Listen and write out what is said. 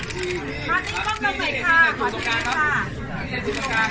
สวัสดีครับสวัสดีครับ